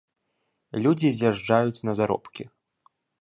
Людзі з'язджаюць на заробкі.